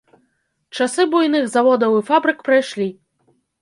Часы буйных заводаў і фабрык прайшлі.